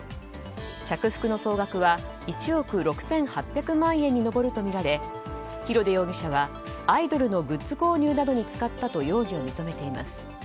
着服の総額は１億６８００万円に上るとみられ広出容疑者はアイドルのグッズ購入などに使ったと容疑を認めています。